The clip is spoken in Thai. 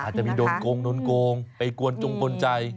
อาจจะมีโดนโกงไปกวนจุงกวนใจ